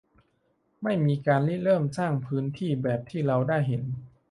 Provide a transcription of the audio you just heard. ไม่มีการริเริ่มสร้างพื้นที่แบบที่เราได้เห็น